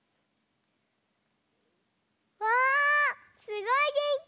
わあすごいげんき！